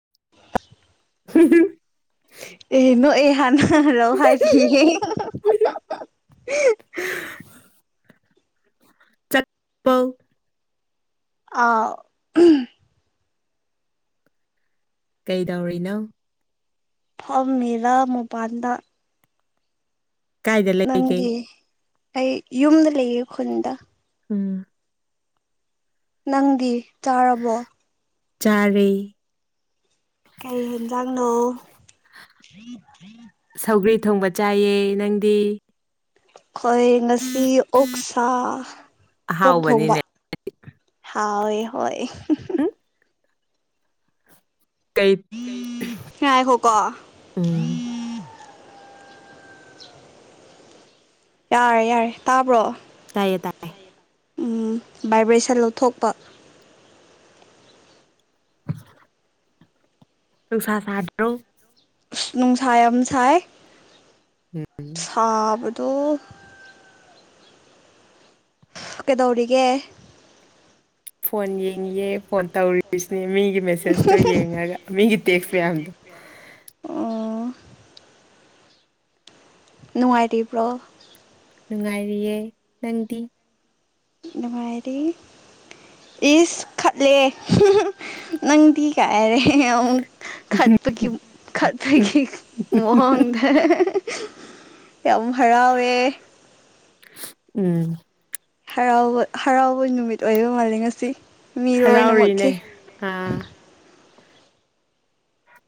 [inaudible] ꯎ ꯑꯦꯅꯣ ꯑꯦ ꯍꯥꯟ ꯔ ꯍꯥꯏ ꯄꯍꯦ [inaudible] ꯆꯠꯄꯧ ꯑ ꯀꯩꯗꯧꯔꯤꯅꯣ ꯐ ꯃꯦꯔꯥ ꯃꯄꯥꯟꯗ ꯀꯥꯏꯗ ꯂꯩꯒꯦ ꯅꯪꯗꯤ ꯑꯩ ꯌꯨꯝꯗ ꯂꯩꯌꯦ ꯈꯨꯟꯗ ꯎꯝ ꯅꯪꯗꯤ ꯆꯥꯔꯕꯣ ꯆꯔꯦ ꯊ꯭ꯔꯤ ꯊ꯭ꯔꯤ ꯁꯧꯒ꯭ꯔꯤ ꯊꯣꯡꯕ ꯆꯥꯏꯑ ꯅꯪꯗꯤ ꯈꯣꯏ ꯅꯁꯤ ꯑꯣꯛꯁꯥ ꯍꯥꯎꯕꯅꯤꯅꯦ ꯑꯣꯏ ꯍꯣꯏ ꯀꯩ ꯉꯥꯏꯈꯣꯀꯣ ꯎꯝ [inaudible] ꯌꯥꯔꯦ ꯌꯥꯔꯦ ꯇꯥꯕ꯭ꯔꯣ ꯇ ꯚꯥꯏꯕ꯭ꯔꯦꯁꯟ ꯂꯧꯊꯣꯛꯄ ꯨꯡꯁꯥ ꯁꯥꯗ꯭ꯔꯣ ꯅꯨꯡꯁꯥꯏ ꯑꯃ ꯁꯥꯏ ꯎꯝ ꯁꯥꯕ ꯇꯣ ꯀꯩꯗꯧꯔꯤꯒꯦ ꯐꯣꯟ ꯌꯦꯡꯉꯑꯦ ꯐꯣꯟ ꯇꯧꯔꯤꯁꯤꯅꯦ ꯃꯤ ꯒꯤ ꯃꯦꯁꯦꯁꯇꯣ ꯌꯦꯡꯉꯒ ꯃꯤꯒꯤ ꯇꯦꯛꯁ ꯃꯌꯥꯝꯗꯣ ꯑꯣ ꯅꯨꯡꯉꯥꯏꯔꯤꯕ꯭ꯔꯣ ꯅꯨꯡꯉꯥꯏꯔꯤꯌꯦꯦ ꯅꯪꯗꯤ ꯅꯨꯡꯥꯏꯔꯤ ꯏꯁ ꯈꯠꯂꯦ ꯅꯪꯗꯤ ꯀꯥꯏꯑꯦꯔꯦ ꯑꯃꯨꯛ ꯈꯠꯄꯒꯤ ꯈꯠꯄꯒꯤ ꯃꯑꯣꯣꯡꯗ ꯌꯥꯝ ꯍꯔꯥꯎꯋꯦ ꯎꯝ ꯍꯔꯥꯎꯕ ꯍꯔꯥꯎꯕ ꯅꯨꯃꯤꯠ ꯑꯣꯏꯕ ꯃꯥꯜꯂꯤ ꯉꯁꯤ ꯍꯔꯥꯎꯔꯤꯅꯦ ꯃꯤꯔꯣꯏꯅꯃꯛꯃꯛꯈꯤ ꯑꯥ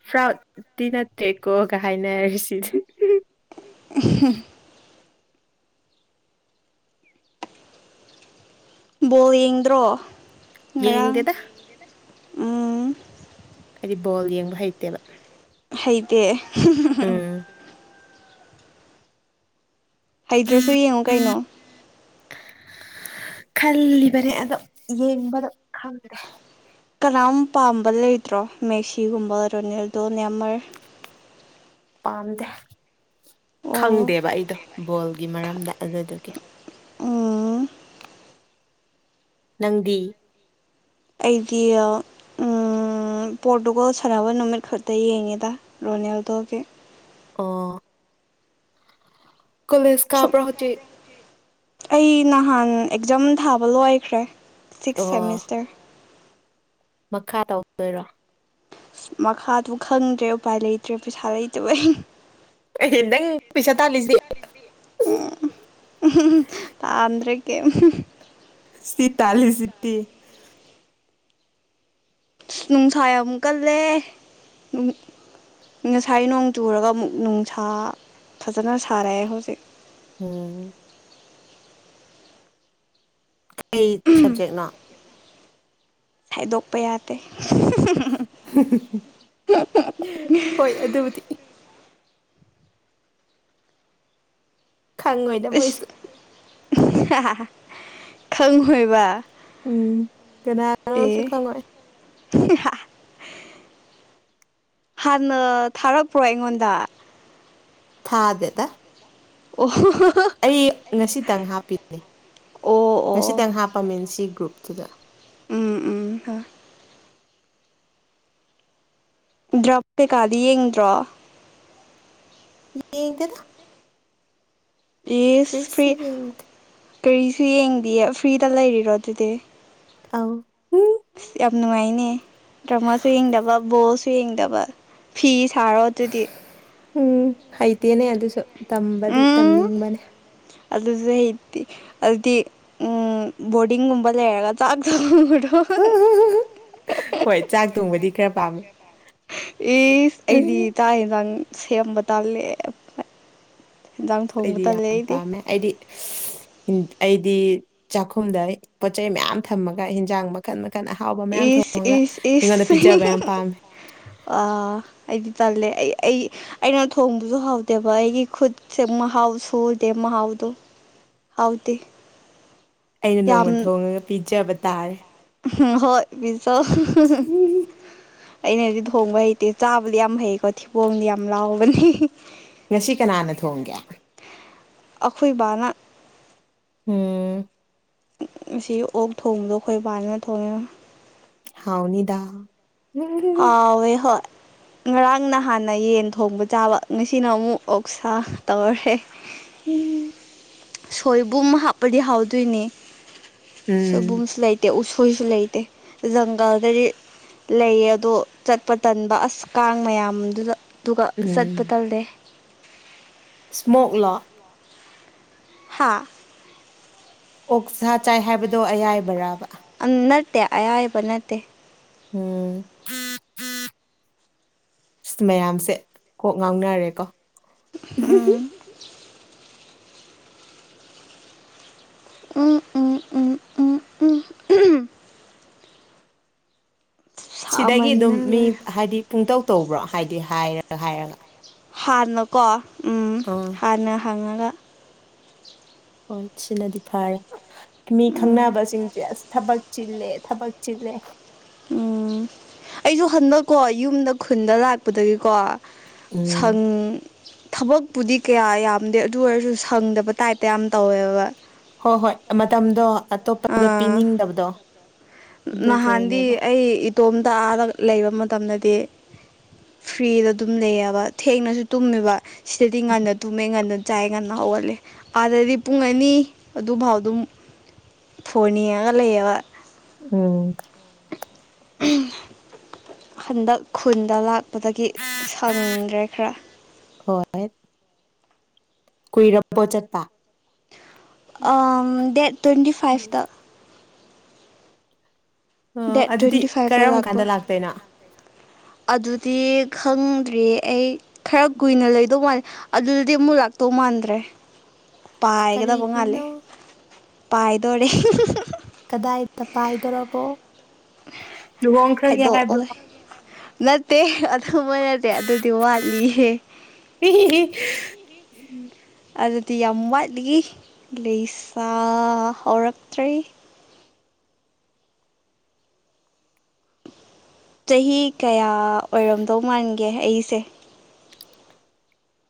ꯐ꯭ꯔꯥꯎꯗꯤꯤ ꯅꯠꯇꯦꯀꯣꯒ ꯍꯥꯏꯅꯔꯤꯁꯤ [inaudible] ꯕꯣꯜ ꯌꯦꯡꯗ꯭ꯔꯣ ꯉꯔꯥꯡ ꯌꯦꯗꯦꯗ ꯎꯝ ꯍꯥꯏꯗꯤ ꯕꯣꯜ ꯌꯦꯡꯕ ꯍꯩꯇꯦꯕ ꯍꯩꯇꯦ ꯎꯝ ꯍꯩꯇ꯭ꯔꯁꯨ ꯌꯦꯡꯉꯨ ꯀꯩꯅꯣ ꯈꯜꯂꯤꯕꯅꯦ ꯑꯗꯣ ꯌꯦꯡꯕꯗꯣ ꯈꯜꯗꯦ ꯀꯅꯥꯝ ꯄꯥꯝꯕ ꯂꯩꯇ꯭ꯔꯣ ꯃꯦꯁꯤꯒꯨꯝꯕ ꯔꯣꯅꯦꯜꯗꯣ ꯅꯃꯔ ꯑꯣ ꯈꯪꯗꯦꯕ ꯑꯩꯗꯣ ꯕꯣꯜꯒꯤ ꯃꯔꯝꯗ ꯑꯗꯨꯗꯨꯒꯤ ꯑꯣ ꯅꯪꯗꯤ ꯑꯩꯗꯤ ꯎ ꯄꯣꯔꯇꯨꯒꯜ ꯁꯥꯟꯅꯕ ꯅꯨꯃꯤꯠ ꯈꯛꯇ ꯌꯦꯡꯉꯦꯗ ꯔꯣꯅꯦꯜꯗꯣꯒꯤ ꯑ ꯀꯣꯂꯦꯖ ꯁꯨꯝ ꯀꯥꯕ꯭ꯔꯍꯇ ꯑꯩ ꯅꯍꯥꯟ ꯑꯦꯛꯖꯥꯝ ꯊꯥꯕ ꯂꯣꯏꯈ꯭ꯔꯦ ꯁꯤꯛꯁ ꯑꯣ ꯁꯦꯃꯤꯁꯇꯔ ꯃꯈꯥ ꯇꯧꯗꯣꯏꯔꯣ ꯃꯈꯥꯗꯨꯕꯨ ꯈꯪꯗ꯭ꯔꯦ ꯎꯄꯥꯏ ꯂꯩꯇ꯭ꯔꯦ ꯄꯩꯁꯥ ꯂꯩꯇꯕ ꯑꯦ ꯅꯪ ꯄꯩꯁꯥ ꯇꯥꯜꯂꯤꯁꯦ ꯎꯝꯗ꯭ꯔꯦ ꯀꯦ ꯁꯤ ꯇꯂꯤ ꯁꯤꯇꯤ ꯅꯨꯡꯁꯥ ꯑꯃꯨꯛ ꯀꯜꯂꯦ ꯉꯁꯥꯏ ꯅꯣꯡ ꯆꯨꯔꯒ ꯑꯃꯨꯛ ꯅꯨꯡꯁꯥ ꯐꯖꯅ ꯁꯥꯔꯛꯑꯦ ꯍꯧꯖꯤꯛ ꯎꯝ ꯀ ꯁꯕꯖꯦꯛꯅ ꯈꯥꯏꯗꯣꯛꯄ ꯌꯥꯗꯦ ꯍꯣꯏ ꯑꯗꯨꯕꯨꯗꯤ ꯈꯪꯉ ꯑꯣꯏꯗ ꯃꯣꯏꯁꯨ ꯈꯪ ꯍꯣꯏꯕ ꯎꯝ ꯀꯅꯥꯣꯁꯨ ꯈꯉꯣꯏ [inaudible] ꯍꯥꯟꯅ ꯊꯥꯔꯛꯄ꯭ꯔꯣ ꯑꯩꯉꯣꯟꯗ ꯈꯥꯗꯗ ꯑꯣ ꯑꯩ ꯉꯁꯤꯇꯪ ꯍꯥꯞꯄꯤꯅꯦ ꯑꯣ ꯑꯣ ꯉꯁꯤꯇꯪ ꯍꯥꯞꯄ ꯃꯤꯁꯤ ꯒ꯭ꯔꯨꯞ ꯎꯗ ꯎꯝ ꯎꯝ ꯍꯣꯏ ꯗ꯭ꯔ ꯀꯗ ꯗ꯭ꯔ ꯌꯦꯗꯦꯗ ꯌꯦꯁ ꯐ꯭ꯔꯤ ꯌꯦꯡꯗꯦ ꯀꯔꯤꯁꯨ ꯌꯦꯡꯗꯌꯦ ꯐ꯭ꯔꯤꯗ ꯂꯩꯔꯤꯔꯣ ꯑꯗꯨꯗꯤ ꯑꯥꯎ ꯑ ꯌꯥꯝ ꯅꯨꯡꯉꯥꯏꯅꯦ ꯗ꯭ꯔꯃꯥꯁꯨ ꯌꯦꯡꯗꯕ ꯕꯣꯜꯁꯨ ꯌꯦꯡꯗꯕ ꯐ ꯊꯔꯣꯑꯣ ꯑꯗꯨꯗꯤ ꯎꯝ ꯍꯩꯇꯦꯅꯦ ꯑꯗꯨꯁꯨ ꯇꯝꯕꯗꯤ ꯎꯝ ꯇꯝꯅꯤꯡꯕꯅꯦ ꯑꯗꯨꯁꯨ ꯍꯩ ꯑꯗꯨꯗꯤ ꯕꯣꯔꯗꯤꯡꯒꯨꯝꯕ ꯂꯩꯔꯒ ꯆꯥꯛ ꯆ ꯍꯗꯣ ꯍꯣꯏ ꯆꯥꯛ [unintelligible] ꯄꯥꯝꯃꯦ ꯑꯦꯁ ꯑꯩꯗꯤ ꯑꯁ ꯇꯥ ꯌꯦꯟꯖꯥꯡ ꯁꯦꯝꯕ ꯇꯥꯜꯂꯦ ꯑ ꯑꯩꯗꯤ ꯌꯥꯝ ꯄꯥꯝꯃꯦ ꯑꯩꯗꯤꯟ ꯑꯩꯗꯤ ꯆꯥꯛꯈꯨꯝꯗ ꯄꯣꯠꯆꯩ ꯃꯌꯥꯝ ꯊꯝꯃꯒ ꯍꯤꯟꯖꯥꯡ ꯃꯈꯜ ꯃꯈꯜ ꯑꯍꯥꯎꯕ ꯃꯌꯥꯝ ꯊꯣꯡ ꯑꯦꯁ ꯑꯦꯁ ꯃꯤꯉꯣꯟꯗ ꯑꯦꯁ ꯄꯤꯖꯕ ꯌꯥꯝ ꯄꯥꯝꯃꯦ ꯑ ꯑꯩꯗꯤ ꯆꯜꯂꯦ ꯑꯩ ꯑꯩ ꯑꯩꯅ ꯊꯣꯡꯕꯁꯨ ꯍꯥꯎꯗꯦꯕ ꯑꯩꯒꯤ ꯈꯨꯠꯁꯦ ꯃꯍꯥꯎ ꯁꯨꯗꯦ ꯃꯍꯥꯎ ꯍꯥꯎꯗꯤ ꯑꯩꯅ ꯅꯣꯡꯃ ꯊꯣꯡꯉꯒ ꯄꯤꯖꯕ ꯇꯥꯔꯦ ꯍꯣꯏ ꯄꯤꯁ ꯑꯩꯅꯗꯤ ꯊꯣꯡꯕ ꯍꯩꯇꯦ ꯆꯥꯕꯗꯤ ꯌꯥꯝ ꯍꯩꯀꯣ ꯊꯤꯕꯣꯡꯗꯤ ꯌꯥꯝ ꯂꯥꯎꯕꯅꯤ ꯉꯁꯤ ꯀꯅꯥꯅ ꯊꯣꯡꯒꯦ ꯑꯩꯈꯣꯏꯕꯅ ꯎꯝ ꯑꯁꯤ ꯑꯣꯛ ꯊꯣꯡꯕꯗꯣ ꯑꯩꯈꯣꯏ ꯄꯥꯅꯅ ꯊꯣꯡꯉꯦ ꯍꯥꯎꯅꯤꯗꯥ ꯍꯋꯦ ꯍꯣꯏ [inaudible] ꯉꯔꯥꯡ ꯅ ꯍꯥꯟꯅ ꯌꯦꯟ ꯊꯣꯡꯕ ꯆꯥꯕ ꯉꯁꯤꯅ ꯑꯃꯨꯛ ꯑꯣꯛꯁꯥ ꯇꯧꯔꯔꯦ ꯎꯝ ꯁꯣꯏꯕꯨꯝ ꯍꯥꯞꯄꯗꯤ ꯍꯥꯎꯗꯣꯏꯅꯤ ꯎꯝ ꯁꯣꯏꯕꯨꯝꯁꯨ ꯂꯩꯇꯦ ꯑꯩꯈꯣꯏꯁꯨ ꯂꯩꯇꯦ ꯖꯪꯒꯜꯗꯗꯤ ꯂꯩꯌꯦ ꯑꯗꯣ ꯆꯠꯄ ꯇꯟꯕ ꯑꯁ ꯀꯥꯡ ꯃꯌꯥꯝꯗꯨꯗ ꯑꯗꯨꯒ ꯆꯠꯄ ꯇꯜꯂꯦ ꯏꯁꯃꯣꯛꯂꯥꯛ ꯍꯥ ꯑꯣꯛ ꯁꯥ ꯆꯥꯏ ꯍꯥꯏꯕꯗꯣ ꯑꯌꯥꯏꯕ꯭ꯔꯕ ꯅꯠꯇꯦ ꯑꯌꯥꯕ ꯅꯠꯇꯦ ꯎꯝ ꯃꯌꯥꯝꯁꯦ ꯀꯣꯛ ꯉꯥꯡꯅꯔꯦꯀꯣ ꯎ ꯎꯝ ꯎꯝ ꯎꯝ ꯎꯝ ꯎꯝ ꯎꯝ ꯁꯤꯗꯒꯤ ꯑꯗꯨꯝ ꯁꯥꯃꯟꯗꯅ ꯃꯤ ꯂꯣꯏꯔꯦ ꯍꯥꯏꯗꯤ ꯄꯨꯡꯇꯧ ꯇꯧꯕ꯭ꯔꯣ ꯍꯥꯏꯕꯗꯤ ꯍꯥꯏꯔꯒ ꯍꯥꯏꯔꯒ ꯍꯥꯟꯅꯀꯣ ꯎꯝ ꯑꯥ ꯍꯥꯟꯅ ꯍꯪꯉꯒ ꯍꯣꯏ ꯁꯤꯅꯗꯤ ꯐꯔꯦ ꯃꯤ ꯎꯝ ꯈꯪꯅꯕꯁꯤꯡꯁꯦ ꯑꯁ ꯊꯕꯛ ꯆꯤꯜꯂꯦ ꯊꯕꯛ ꯂꯩꯦ ꯎꯝ ꯑꯩꯁꯨ ꯍꯟꯗꯛꯀꯣ ꯌꯨꯝꯗ ꯈꯨꯟꯗ ꯂꯥꯛꯄꯗꯒꯤ ꯀꯣ ꯎꯝ ꯁꯪ ꯊꯕꯛꯄꯨꯗꯤ ꯀꯌꯥ ꯌꯥꯝꯗꯦ ꯑꯗꯨ ꯑꯣꯏꯔꯁꯨ ꯁꯪꯗꯕ ꯇꯥꯏꯞꯇ ꯌꯥꯝ ꯇꯧꯋꯦꯕ ꯍꯣꯏ ꯍꯣꯏ ꯃꯇꯝꯗꯣ ꯑꯇꯣꯞꯄꯗ ꯑꯥ ꯄꯤꯅꯤꯡꯗꯕꯗꯣ ꯅꯍꯥꯟꯗꯤ ꯑꯗꯨꯗꯣꯏꯅꯦꯕ ꯑꯩ ꯏꯇꯣꯝꯇ ꯑꯥꯔ ꯂꯩꯕ ꯃꯇꯝꯗꯗꯤ ꯐ꯭ꯔꯤꯗ ꯑꯗꯨꯝ ꯂꯩꯌꯦꯕ ꯊꯦꯡꯅꯁꯨ ꯇꯨꯝꯃꯦꯕ ꯁꯤꯗꯗꯤ ꯉꯟꯅ ꯇꯨꯝꯃꯦ ꯉꯟꯅ ꯆꯥꯏ ꯉꯟꯅ ꯍꯧꯒꯜꯂꯦ ꯑꯥꯗꯗꯤ ꯄꯨꯡ ꯑꯅꯤ ꯑꯗꯨꯐꯥꯎ ꯑꯗꯨꯝ ꯐꯣꯅꯤꯒ ꯂꯩꯑꯕ ꯎꯝ ꯍꯟꯗꯛ ꯈꯨꯟꯗ ꯂꯥꯛ ꯗꯒꯤ ꯁꯪꯗ꯭ꯔꯦ ꯈꯔ ꯀꯨꯏꯔꯝꯕꯣ ꯆꯠꯄ ꯗꯦꯠ ꯇ꯭ꯋꯦꯟꯇꯤ ꯐꯥꯏꯚꯇ ꯑꯣ ꯗꯦꯠ ꯑꯗꯨꯗꯤ ꯇ꯭ꯋꯦꯟꯇꯤ ꯐꯥꯏꯚꯗ ꯀꯔꯝ ꯂꯥꯛꯄ ꯀꯥꯟꯗ ꯂꯥꯛꯇꯣꯏꯅꯣ ꯑꯗꯨꯗꯤ ꯈꯪꯗ꯭ꯔꯔꯤ ꯑꯩ ꯈꯔ ꯀꯨꯏꯅ ꯂꯩꯗꯧ ꯃꯥꯜꯂꯦ ꯑꯗꯨꯗꯗꯤ ꯑꯃꯨꯛ ꯂꯥꯛꯇꯧ ꯃꯥꯟꯗ꯭ꯔꯦ ꯄꯥꯏꯒꯗꯕ ꯃꯥꯜꯂꯦ ꯀꯔꯤꯒꯤꯅꯣ ꯄꯥꯏꯗꯣꯔꯦ ꯀꯗꯥꯏꯗ ꯄꯥꯏꯗꯣꯔꯕꯣ ꯂꯨꯍꯣꯡꯈ꯭ꯔꯒꯦ ꯍꯥꯏꯕ꯭ꯔꯣ ꯍꯥꯏꯗꯣꯛꯑꯣꯏ ꯅꯠꯇꯦ ꯑꯗꯨ ꯅꯠꯇꯦ ꯑꯗꯨꯗꯤ ꯋꯥꯠꯂꯤꯍꯦ ꯎꯝ ꯑꯗꯨꯗꯤ ꯌꯥꯝ ꯋꯥꯠꯂꯤ ꯂꯩꯁꯥ ꯍꯧꯔꯛꯇ꯭ꯔꯦ ꯆꯍꯤ ꯀꯌꯥ ꯑꯣꯏꯔꯝꯗꯧ ꯃꯥꯟꯒꯦ ꯑꯩꯁꯦ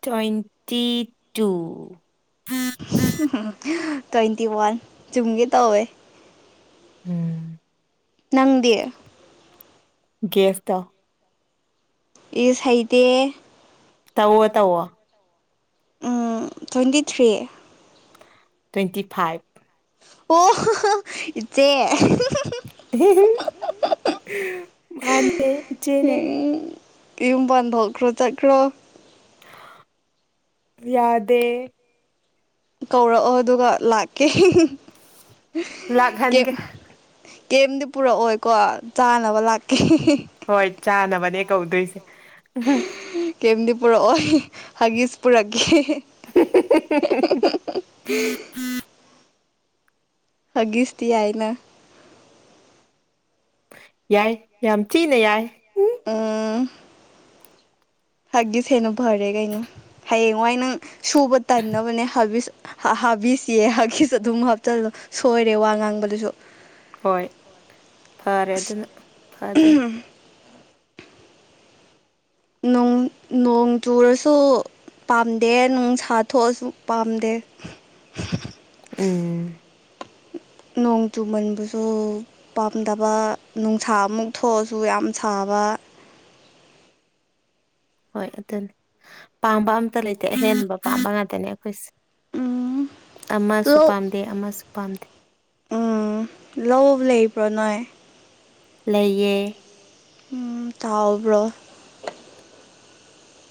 ꯇ꯭ꯋꯦꯟꯇꯤ ꯇꯨ ꯇ꯭ꯋꯦꯟꯇꯤ ꯋꯥꯟ ꯆꯨꯝꯒꯤ ꯇꯧꯋꯦ ꯎꯝ ꯅꯪꯗꯤ ꯒꯦꯁ ꯇꯧ ꯏꯁ ꯍꯩꯇꯦ ꯇꯧꯋ‌ꯣ ꯇꯧꯋ‌ꯣ ꯎꯝ ꯇ꯭ꯋꯦꯟꯇꯤ ꯊ꯭ꯔꯤ ꯇ꯭ꯋꯦꯟꯇꯤ ꯐꯥꯏꯚ ꯑꯣ ꯏꯆꯦ ꯃꯥꯟꯅꯦ ꯏꯆꯦꯅꯦ ꯌꯨꯝꯕꯥꯟ ꯄꯥꯟꯊ‌ꯣꯛꯀ꯭ꯔꯣ ꯆꯠꯀ꯭ꯔꯣ ꯌꯥꯗꯦ ꯀꯧꯔꯛꯑꯣ ꯑꯗꯨꯒ ꯂꯥꯛꯀꯦ ꯀꯦꯞ ꯂꯥꯛꯍꯟꯒꯦ ꯀꯦꯝꯗꯤ ꯄꯨꯔꯛꯑꯣꯏꯀꯣ ꯆꯥꯅꯕ ꯂꯥꯛꯀꯦ ꯍꯣꯏ ꯆꯥꯅꯕꯅꯦ ꯀꯧꯗꯣꯏꯁꯦ ꯀꯩꯝꯗꯤ ꯄꯨꯔꯛꯑꯣꯏ ꯍꯒꯤꯁ ꯄꯨꯔꯛꯒꯦ ꯍꯒꯤꯁꯇꯤ ꯌꯥꯏꯅ ꯌꯥꯏ ꯌꯥꯝ ꯊꯤꯅ ꯌꯥꯏ ꯎꯝ ꯍꯒꯤꯁ ꯁꯤꯅ ꯐꯔꯦ ꯀꯩꯅꯣ ꯍꯌꯦꯡ ꯋꯥꯏ ꯅꯪ ꯁꯨꯕ ꯇꯟꯅꯕꯅꯦ ꯍꯥ ꯍꯥꯕꯤꯁ ꯌꯦ ꯍꯥꯒꯤꯁ ꯑꯗꯨꯝ ꯍꯥꯞꯆꯤꯜꯂ‌ꯣ ꯁꯣꯏꯔꯦ ꯋꯥ ꯉꯥꯡꯕꯗꯨꯁꯨ ꯍꯣꯏ ꯐꯔꯦ ꯑꯗꯨ ꯑꯗꯨꯅ ꯐꯗꯦ ꯅꯣꯡ ꯅꯣꯡ ꯆꯨꯔꯁꯨ ꯄꯥꯝꯗꯦ ꯅꯨꯡꯁꯥ ꯊꯣꯛꯑꯁꯨ ꯄꯥꯝꯗꯦ [inaudible] ꯑꯦ ꯅꯣꯡ ꯆꯨꯃꯟꯕꯁꯨ ꯄꯥꯝꯗꯕ ꯅꯨꯡꯁꯥ ꯑꯃꯨꯛ ꯊꯣꯛꯑꯁꯨ ꯌꯥꯝ ꯁꯥ ꯕ [inaudible] ꯍꯣꯏ ꯑꯗꯨꯅꯤ ꯄꯥꯝꯕ ꯑꯝꯇ ꯂꯩꯇꯦ ꯑꯍꯦꯟꯕ ꯄꯥꯝꯕ ꯉꯥꯛꯇꯅꯦ ꯑꯩꯈꯣꯏꯁꯦ ꯎꯝ ꯑꯃꯁꯨ ꯂꯣꯛ ꯄꯥꯝꯗꯦ ꯑꯃꯁꯨ ꯄꯥꯝꯗꯦ ꯂꯩꯄ꯭ꯔ‌ꯣ ꯅꯣꯏ ꯂꯩꯌꯦ ꯎꯝ ꯇꯥꯎꯕ꯭ꯔꯣ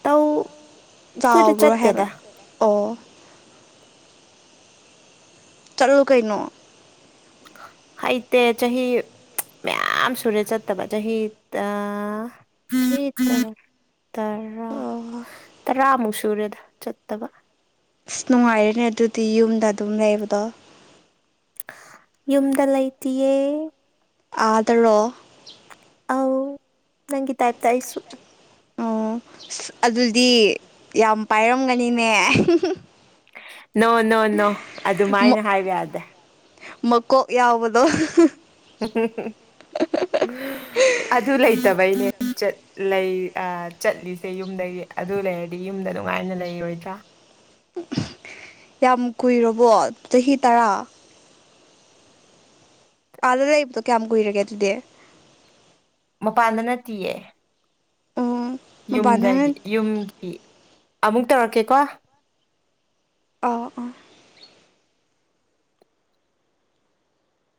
ꯇꯧ ꯑꯩꯈꯣꯏꯗꯤ ꯆꯥꯎꯕ꯭ꯔꯣ ꯍꯥꯏꯕ ꯆꯠꯇꯦꯗ ꯑꯣ ꯆꯠꯂꯨ ꯀꯩꯅꯣ ꯍꯩꯇ‌ꯦ ꯆꯍꯤ ꯃꯌꯥꯝ ꯁꯨꯔꯦ ꯆꯠꯇꯕ ꯆꯍꯤ ꯑꯥ ꯇꯔꯥ ꯑꯣ ꯇꯔꯥꯃꯨꯛ ꯁꯨꯔꯦꯗ ꯆꯠꯇꯕ ꯑꯁ ꯅꯨꯡꯉꯥꯏꯔ‌ꯦꯅꯦ ꯑꯗꯨꯗꯤ ꯌꯨꯝꯗ ꯑꯗꯨꯝ ꯂꯩꯕꯗꯣ ꯌꯨꯝꯗ ꯂꯩꯇꯤꯌꯦ ꯑꯗꯥꯔꯣ ꯑꯧ ꯅꯪꯒꯤ ꯇꯥꯏꯞꯇꯥ ꯑꯩꯁꯨ ꯑꯣ ꯑꯁ ꯑꯗꯨꯗꯤ ꯌꯥꯝ ꯄꯥꯏꯔꯝꯒꯅꯤꯅꯦ꯫ ꯅꯣ ꯅꯣ ꯅꯣ ꯑꯗꯨꯃꯥꯏꯅ ꯍꯥꯏꯕ ꯌꯥꯗꯦ꯫ ꯃꯀꯣꯛ ꯌꯥꯎꯕꯗꯣ꯫ ꯆꯠꯇꯕꯩꯅꯦ ꯆꯠꯂꯦ ꯑꯥ ꯆꯠꯂꯤꯁꯦ ꯌꯨꯝꯗꯩ ꯑꯗꯨ ꯂꯩꯔꯗꯤ ꯌꯨꯝꯗ ꯅꯨꯡꯉꯥꯏꯅ ꯂꯩ ꯔꯣꯏꯗꯔꯥ꯫ ꯌꯥꯝ ꯀꯨꯏꯔꯕꯣ ꯆꯍꯤ ꯇꯔꯥ꯫ ꯑꯥꯗ ꯂꯩꯕꯗꯣ ꯀꯌꯥꯝ ꯀꯨꯏꯔꯒꯦ ꯑꯗꯨꯗꯤ꯫ ꯃꯄꯥꯟꯗꯅꯠꯇꯤꯌꯦ꯫ ꯎꯝ ꯃꯄꯥꯟꯗꯅ ꯌꯨꯝꯗꯒꯤ ꯌꯨꯝꯒꯤ ꯑꯃꯨꯛ ꯇꯧꯔꯛꯀꯦꯀꯣ꯫ ꯑ ꯑꯥ꯫